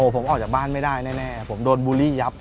ผมออกจากบ้านไม่ได้แน่ผมโดนบูลลี่ยับ